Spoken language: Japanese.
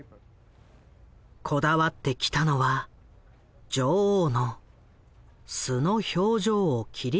こだわってきたのは女王の素の表情を切り取ることだ。